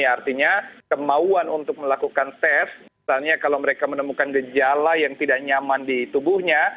artinya kemauan untuk melakukan tes misalnya kalau mereka menemukan gejala yang tidak nyaman di tubuhnya